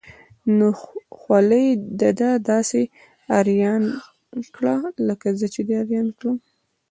نو خولي ده داسې اریان کړه لکه زه چې اریان کړم.